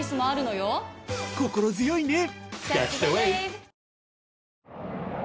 心強いね！